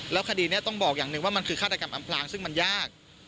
คดีนี้ต้องบอกอย่างหนึ่งว่ามันคือฆาตกรรมอำพลางซึ่งมันยาก